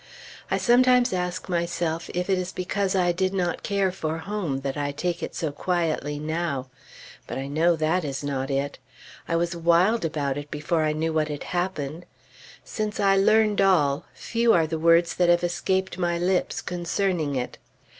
I sometimes ask myself if it is because I did not care for home, that I take it so quietly now. But I know that is not it. I was wild about it before I knew what had happened; since I learned all, few are the words that have escaped my lips concerning it.